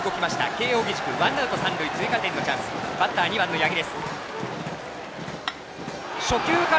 慶応義塾、ワンアウト、三塁追加点のチャンスバッター、２番の八木。